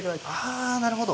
あなるほど。